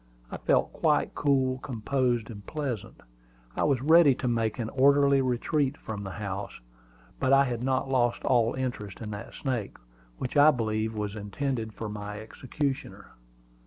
I felt quite cool, composed, and pleasant. I was ready to make an orderly retreat from the house. But I had not lost all interest in that snake, which I believed was intended for my executioner.